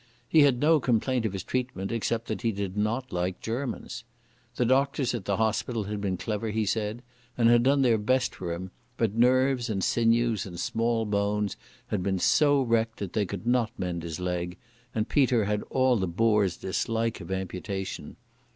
He had no complaint of his treatment except that he did not like Germans. The doctors at the hospital had been clever, he said, and had done their best for him, but nerves and sinews and small bones had been so wrecked that they could not mend his leg, and Peter had all the Boer's dislike of amputation.